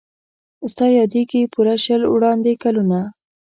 ستا یادیږي پوره شل وړاندي کلونه